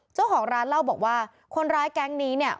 เจ้าของร้านเล่าบอกว่าคนร้ายแก๊งนี้เนี่ย